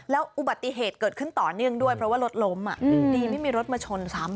แล้วอุบัติเหตุเกิดขึ้นต่อเนื่องด้วยเพราะว่ารถล้มดีไม่มีรถมาชนซ้ำ